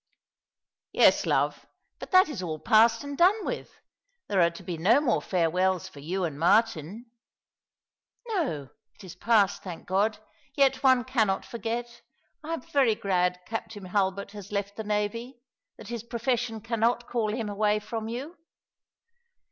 " Yes, love ; but that is all past and done with. There are to be no more farewells for you and Martin." " No, it is past, thank God ! Yet one cannot forget. I am very glad Captain Hulbert has left the navy — that his profession cannot call him away from you."